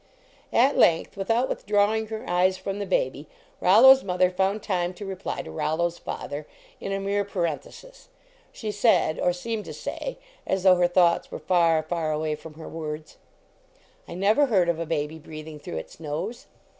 At length, without withdrawing her eyes from the baby, Rollo s mother found time to reply to Rollo s father, in a mere parenthesis. She said, or seemed to say, as though her thoughts were far, far away from her words : I never heard of a baby breathing through its nose."